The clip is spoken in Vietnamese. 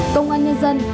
công an nhân dân